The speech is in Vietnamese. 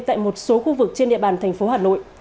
tại một số khu vực trên địa bàn thành phố hà nội